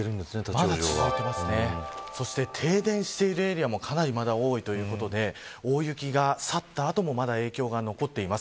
そして停電しているエリアもかなり多いということで大雪が去った後もまだ影響が残っています。